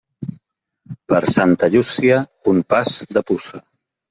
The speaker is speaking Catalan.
Per Santa Llúcia, un pas de puça.